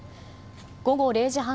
午後０時半